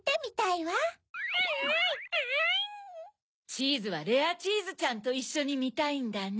チーズはレアチーズちゃんといっしょにみたいんだね。